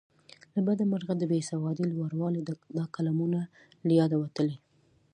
له بده مرغه د بې سوادۍ لوړوالي دا کلامونه له یاده وتلي.